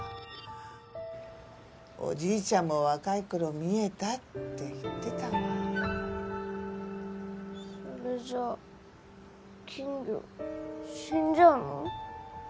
おじいちゃんも若い頃見えたって言ってたそれじゃあ金魚死んじゃうの？